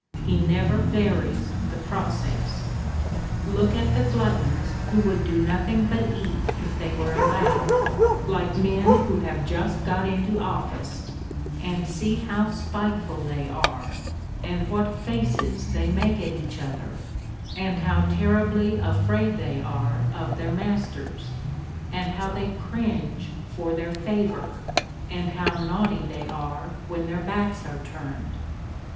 He never varies the process. Look at the gluttons who would do nothing but eat if they were allowed, like men who have just got into office, and see how spiteful they are, and what faces they make at each other, and how terribly afraid they are of their masters, and how they cringe for their favour, and how naughty they are when their backs are turned.